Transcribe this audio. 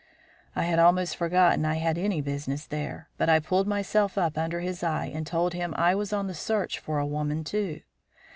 I had almost forgotten I had any business there, but I pulled myself up under his eye and told him I was on the search for a woman, too.